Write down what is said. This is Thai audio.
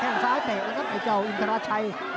ซ้ายเตะแล้วครับไอ้เจ้าอินทราชัย